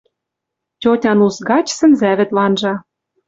Тьотян ус гач сӹнзӓвӹд ванжа...